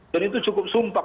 dan itu cukup sumpah